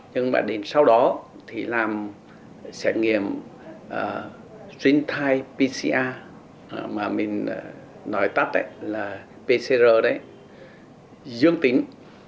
nhưng mà đến sau đó thì làm xét nghiệm sinh thai pcr mà mình nói tắt là pcr đấy dương tính